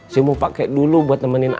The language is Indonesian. simu pake dulu buat nemenin aku